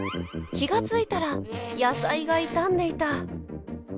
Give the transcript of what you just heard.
気が付いたら野菜が傷んでいた。